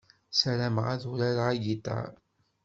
Sarameɣ ad urareɣ agiṭar.